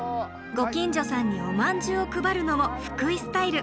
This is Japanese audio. ご近所さんにおまんじゅうを配るのも福井スタイル。